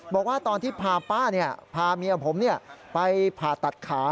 บอกว่าตอนที่พาป้าพาเมียผมไปผ่าตัดขา